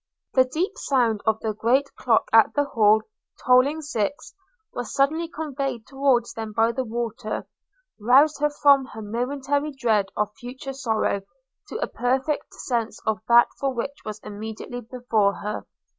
The deep sound of the great clock at the Hall tolling six, sullenly conveyed towards them by the water, roused her from her momentary dread of future sorrow to a perfect sense of that for which was immediately before her.